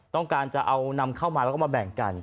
ต้องการจะเอานำเข้ามาแล้วก็มาแบ่งกัน